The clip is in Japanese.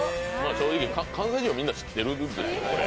正直、関西人はみんな知ってるんです。